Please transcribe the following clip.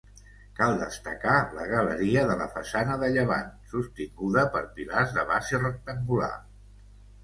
Cal destacar la galeria de la façana de llevant, sostinguda per pilars de base rectangular.